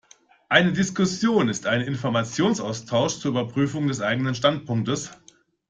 Eine Diskussion ist ein Informationsaustausch zur Überprüfung des eigenen Standpunktes.